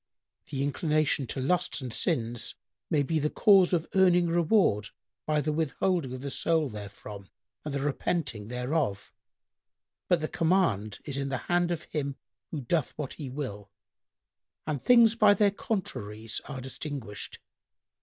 "—"The inclination to lusts and sins may be the cause of earning reward by the withholding of the soul therefrom and the repenting thereof; but the command[FN#105] is in the hand of Him who doth what He will, and things by their contraries are distinguished.